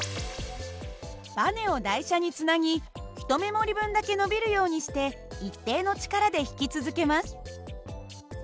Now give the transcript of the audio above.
ばねを台車につなぎ１目盛り分だけ伸びるようにして一定の力で引き続けます。